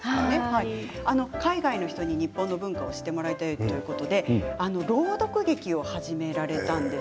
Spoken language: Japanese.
海外の人に日本の文化を知ってもらいたいということで朗読劇を始められたんです。